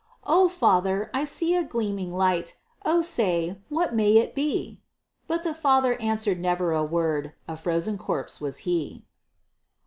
"O father! I see a gleaming light, Oh say, what may it be?" But the father answered never a word, A frozen corpse was he.